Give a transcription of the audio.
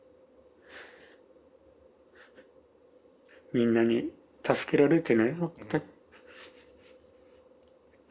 みんなに助けられてね。